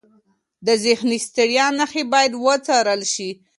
د ذهني ستړیا نښې باید وڅارل شي.